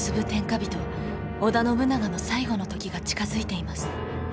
織田信長の最期の時が近づいています。